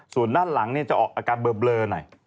ส่วนด้านหลังจะออกอาการเบลอหน่อย